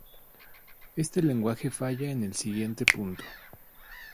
Este lenguaje falla en el siguiente punto.